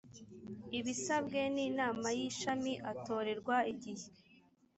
ibisabwe n inama y ishami atorerwa igihe